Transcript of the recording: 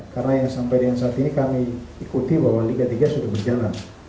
karena yang sampai dengan saat ini kami ikuti bahwa liga tiga sudah berjalan